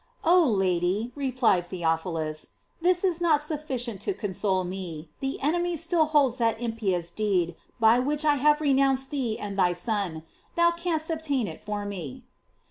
"Oh Lady,"replied Theophilus, "this is not sufficient to console me; the enemy still holds that impious deed, by which I have renounced thee and thy Son; thou canst obtain it for me."